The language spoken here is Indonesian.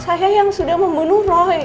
saya yang sudah membunuh rohing